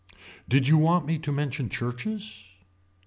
Did you want me to mention churches.